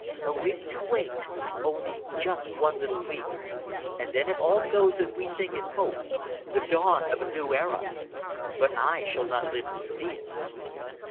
"A week to wait, only just one little week. And then, if all goes as we think and hope the dawn of the new era! But I shall not live to see it."